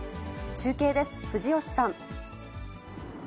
中継です、藤吉さん。